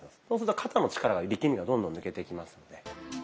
そうすると肩の力が力みがどんどん抜けていきますので。